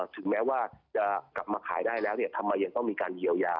ถึงแม้ว่าจะกลับมาขายได้แล้วทำไมยังต้องมีการเยียวยา